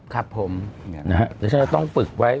ครับผมแล้วฉันก็ต้องปึกไว้